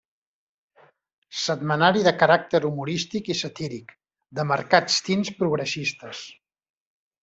Setmanari de caràcter humorístic i satíric, de marcats tints progressistes.